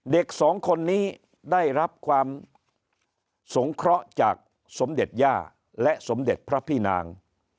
เด็กสองคนนี้ได้รับความสงเคราะห์จากสมเด็จย่าและสมเด็จพระพี่นาง